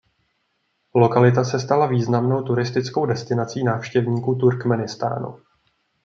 Lokalita se stala významnou turistickou destinací návštěvníků Turkmenistánu.